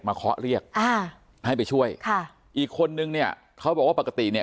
เคาะเรียกอ่าให้ไปช่วยค่ะอีกคนนึงเนี่ยเขาบอกว่าปกติเนี่ย